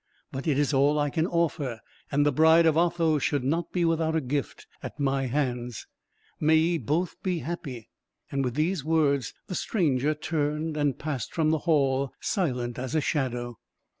"But it is all I can offer, and the bride of Otho should not be without a gift at my hands. May ye both be happy!" With these words, the stranger turned and passed from the hall silent as a shadow.